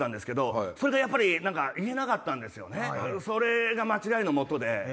それが間違いのもとで。